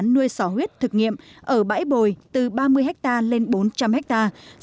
nuôi sỏ huyết thực nghiệm ở bãi bồi từ ba mươi hectare lên bốn trăm linh hectare